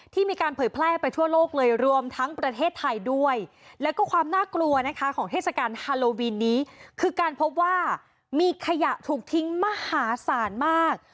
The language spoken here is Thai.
มีการเผยแพร่ไปทั่วโลกเลยรวมทั้งประเทศไทยด้วยแล้วก็ความน่ากลัวนะคะของเทศกาลฮาโลวีนนี้คือการพบว่ามีขยะถูกทิ้งมหาศาลมาก